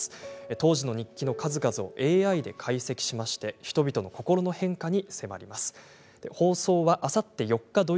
当時の日記の数々をＡＩで解析しまして人々の心の変化に迫ります。